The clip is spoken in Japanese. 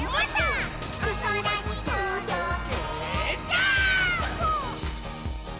「おそらにとどけジャンプ！！」